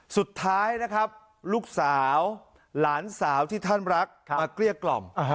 สุดท้ายนะครับลูกสาวหลานสาวที่ท่านรักมาเกลี้ยกล่อม